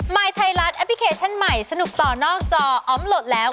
ยไทยรัฐแอปพลิเคชันใหม่สนุกต่อนอกจออมโหลดแล้ว